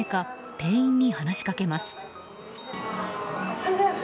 店員に話しかけます。